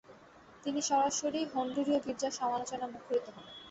তিনি সরাসরি হন্ডুরীয় গীর্জার সমালোচনায় মুখরিত হন।